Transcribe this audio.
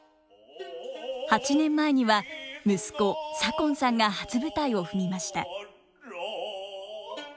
８年前には息子左近さんが初舞台を踏みました。